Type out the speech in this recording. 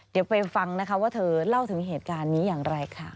เดี๋ยวไปฟังนะคะว่าเธอเล่าถึงเหตุการณ์นี้อย่างไรค่ะ